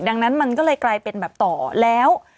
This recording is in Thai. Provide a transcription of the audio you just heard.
ดังนั้นมันก็เลยกลายเป็นแบบต่อแล้ว